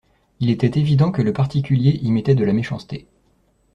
Il était évident que le particulier y mettait de la méchanceté…